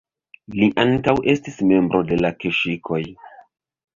Li ankaŭ estis membro de la keŝikoj.